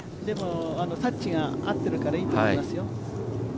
タッチが合っているからいいと思いますよ。